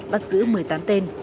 bắt giữ một mươi tám tên